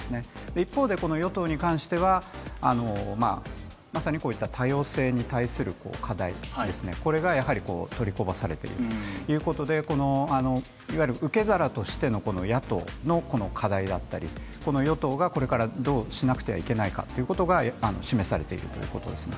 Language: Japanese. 一方で与党に関しては、多様性に対する課題が取りこぼされているということで受け皿としての野党の課題だったり与党がこれからどうしなくてはいけないかということが示されているということですね。